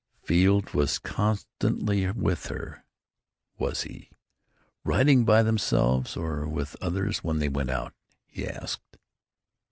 "Field was constantly with her, was he? Riding just by themselves or with others when they went out?" he asked.